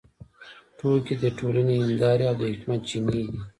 ټوکې د ټولنې هندارې او د حکمت چینې دي.